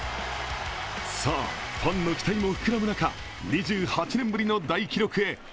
さあ、ファンの期待も膨らむ中、２８年ぶりの大記録へ。